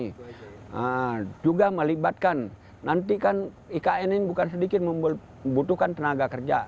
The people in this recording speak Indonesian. nah juga melibatkan nanti kan ikn ini bukan sedikit membutuhkan tenaga kerja